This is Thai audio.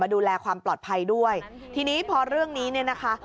ดูแลความปลอดภัยด้วยทีนี้พอเรื่องนี้เนี่ยนะคะ